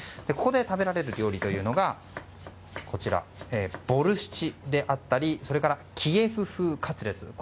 ここで食べられる料理というのがボルシチであったりそれからキエフ風カツレツ。